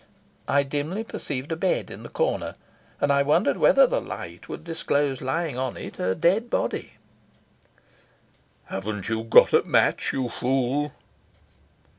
I dimly perceived a bed in the corner, and I wondered whether the light would disclose lying on it a dead body. "Haven't you got a match, you fool?"